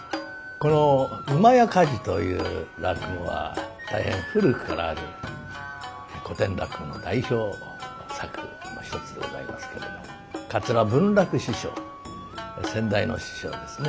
この「厩火事」という落語は大変古くからある古典落語の代表作の一つでございますけれども桂文楽師匠先代の師匠ですね